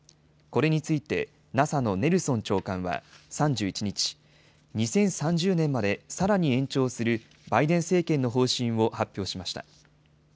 これについてＮＡＳＡのネルソン長官は３１日、２０３０年までさらに延長するバイデン政権の方針を発表しました。